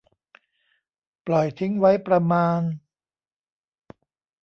ปล่อยทิ้งไว้ประมาณ